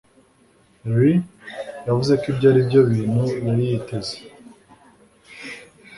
Lee yavuze ko ibyo aribyo bintu yari yiteze